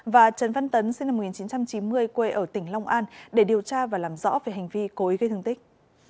và trần văn tấn sinh năm một nghìn chín trăm chín mươi quê ở tỉnh long an để điều tra và làm rõ về hành vi cố ý gây thương tích